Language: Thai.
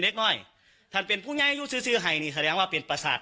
เล็กน้อยท่านเป็นผู้ง่ายอายุซื้อซื้อให้นี่แสดงว่าเป็นประสาท